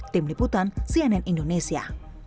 tim liputan cnn indonesia